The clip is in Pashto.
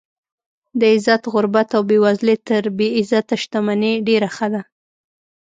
د عزت غربت او بې وزلي تر بې عزته شتمنۍ ډېره ښه ده.